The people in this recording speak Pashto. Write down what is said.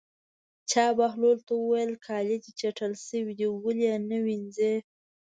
چا بهلول ته وویل: کالي دې چټل شوي دي ولې یې نه وینځې.